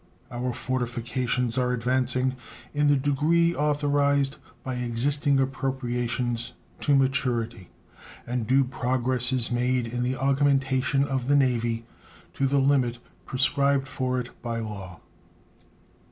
Our fortifications are advancing in the degree authorized by existing appropriations to maturity, and due progress is made in the augmentation of the Navy to the limit prescribed for it by law.